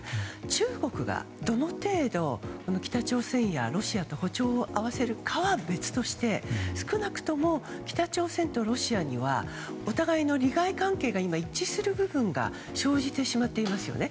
中国が、どの程度北朝鮮やロシアと歩調を合わせるかは別として少なくとも北朝鮮とロシアにはお互いの利害関係が今、一致する部分が生じてしまっていますよね。